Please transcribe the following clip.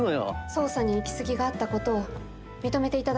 捜査に行き過ぎがあったことを認めていただけないでしょうか？